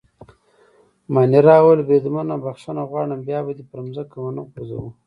مانیرا وویل: بریدمنه بخښنه غواړم، بیا به دي پر مځکه ونه غورځوو.